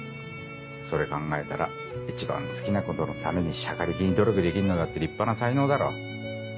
それ考えたら一番好きなことのためにしゃかりきに努力できんのだって立派な才能だろ。